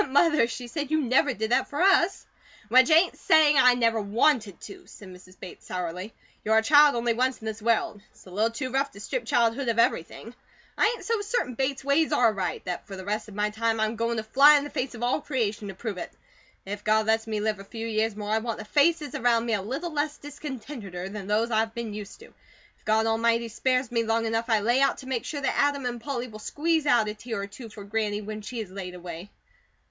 "But, Mother," she said, "you never did that for us." "Which ain't saying I never WANTED to," said Mrs. Bates, sourly. "You're a child only once in this world; it's a little too rough to strip childhood of everything. I ain't so certain Bates ways are right, that for the rest of my time I'm goin' to fly in the face of all creation to prove it. If God lets me live a few years more, I want the faces around me a little less discontenteder than those I've been used to. If God Almighty spares me long enough, I lay out to make sure that Adam and Polly will squeeze out a tear or two for Granny when she is laid away."